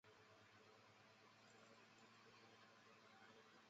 他也代表捷克国家足球队参赛。